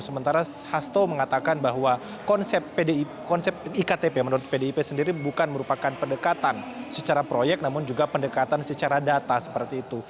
sementara hasto mengatakan bahwa konsep iktp menurut pdip sendiri bukan merupakan pendekatan secara proyek namun juga pendekatan secara data seperti itu